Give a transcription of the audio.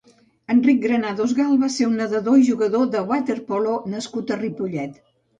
Enric Granados Gal va ser un nedador i jugador de waterpolo nascut a Ripollet.